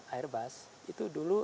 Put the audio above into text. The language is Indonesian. airbus itu dulu